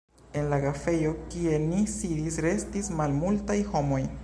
En la kafejo, kie ni sidis, restis malmultaj homoj.